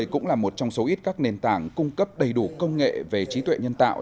cũng là một trong số ít các nền tảng cung cấp đầy đủ công nghệ về trí tuệ nhân tạo